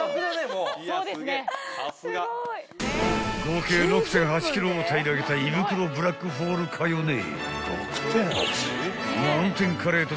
［合計６．８ｋｇを平らげた胃袋ブラックホールかよ姉］